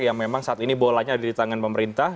yang memang saat ini bolanya ada di tangan pemerintah